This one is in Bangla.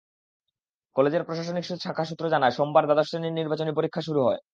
কলেজের প্রশাসনিক শাখা সূত্র জানায়, সোমবার দ্বাদশ শ্রেণির নির্বাচনী পরীক্ষা শুরু হয়।